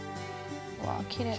わきれい。